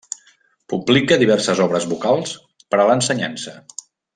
Publica diverses obres vocals per a l'ensenyança.